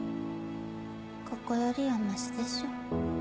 ここよりはマシでしょ。